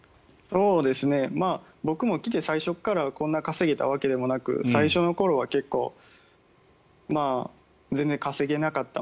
僕も来て、最初からこんな稼げたわけでもなく最初の頃は結構、全然稼げなかった。